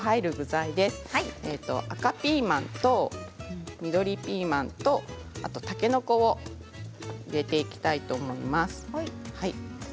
赤ピーマンと緑ピーマンとあとは、たけのこを入れていきます。